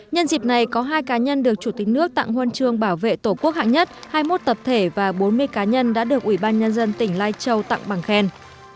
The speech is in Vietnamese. nhân dịp này có hai cá nhân được chủ tịch nước tặng huân chương bảo vệ tổ quốc hạng nhất hai mươi một tập thể và bốn mươi cá nhân đã được ủy ban nhân dân tỉnh lai châu tặng bằng khen